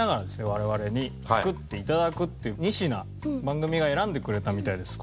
我々に作って頂くっていう２品番組が選んでくれたみたいです。